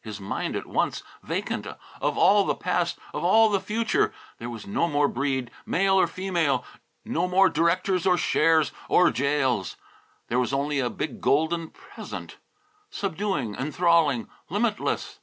His mind was at once vacant of all the past, of all the future. There was no more a Breede, male or female, no more directors or shares or jails. There was only a big golden Present, subduing, enthralling, limitless!